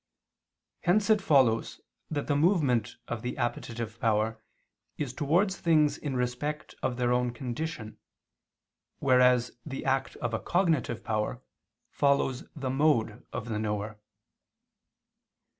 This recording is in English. Hence it follows that the movement of the appetitive power is towards things in respect of their own condition, whereas the act of a cognitive power follows the mode of the knower.